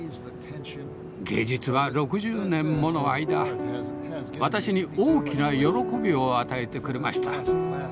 芸術は６０年もの間私に大きな喜びを与えてくれました。